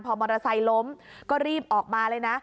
พอมอเตอร์ไซค์ล้มก็รีบออกมาเลยนะ